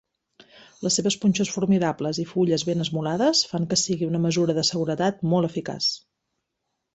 Les seves punxes formidables i fulles ben esmolades fan que sigui una mesura de seguretat molt eficaç.